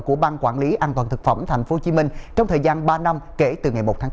của ban quản lý an toàn thực phẩm tp hcm trong thời gian ba năm kể từ ngày một tháng chín